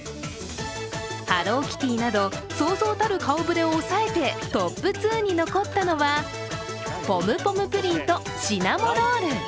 ハローキティなどそうそうたる顔ぶれを抑えてトップ２に残ったのはポムポムプリンとシナモロール。